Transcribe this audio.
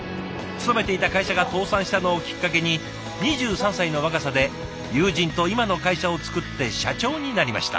勤めていた会社が倒産したのをきっかけに２３歳の若さで友人と今の会社をつくって社長になりました。